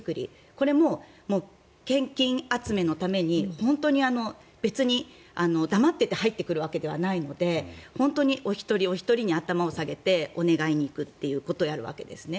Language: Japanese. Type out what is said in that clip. これも献金集めのために本当に別に黙っていて入ってくるわけではないのでお一人お一人に頭を下げてお願いに行くということをやるわけですね。